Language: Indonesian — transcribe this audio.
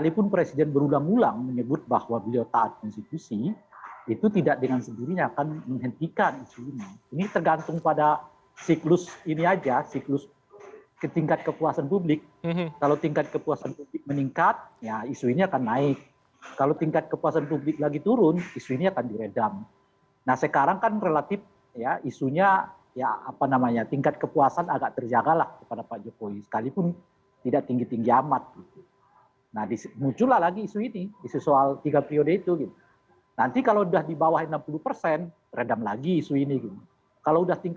presiden itu mengatakan jangan ke saya lagi lah ini